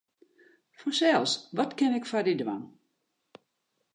Fansels, wat kin ik foar dy dwaan?